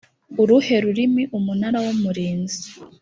uruhe rurimi umunara w umurinzi